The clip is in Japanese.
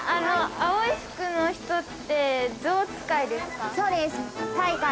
青い服の人って象使いですか。